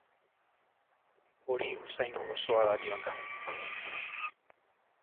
Hori usain gozoa, dariona.